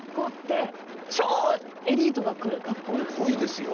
いやっぽいですよ。